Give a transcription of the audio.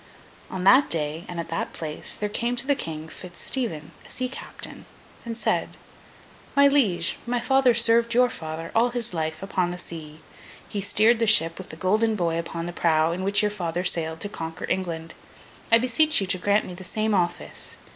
On that day, and at that place, there came to the King, Fitz Stephen, a sea captain, and said: 'My liege, my father served your father all his life, upon the sea. He steered the ship with the golden boy upon the prow, in which your father sailed to conquer England. I beseech you to grant me the same office.